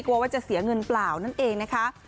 กลัวว่าจะเสียเงินเปล่านั่นเองนะคะ